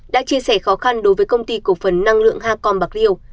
đã chia sẻ khó khăn đối với công ty cổ phần năng lượng hacom bạc liêu